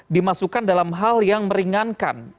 dimasukkan dalam hal yang meringankan